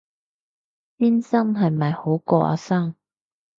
先生係咪好過阿生